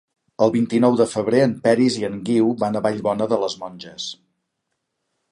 El vint-i-nou de febrer en Peris i en Guiu van a Vallbona de les Monges.